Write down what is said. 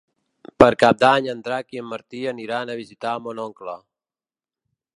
Per Cap d'Any en Drac i en Martí aniran a visitar mon oncle.